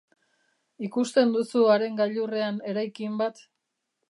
Ikusten duzu haren gailurrean eraikin bat?